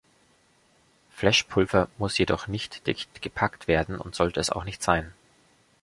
Flash-Pulver muss jedoch nicht dicht gepackt werden und sollte es auch nicht sein.